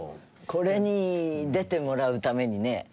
これに出てもらうためにね